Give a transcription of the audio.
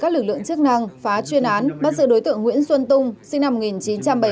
các lực lượng chức năng phá chuyên án bắt giữ đối tượng nguyễn xuân tung sinh năm một nghìn chín trăm bảy mươi